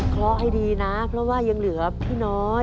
เพราะให้ดีนะเพราะว่ายังเหลือพี่น้อย